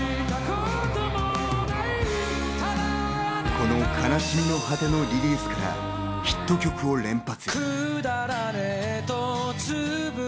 この『悲しみの果て』のリリースから、ヒット曲を連発。